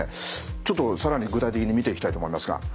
ちょっと更に具体的に見ていきたいと思いますが。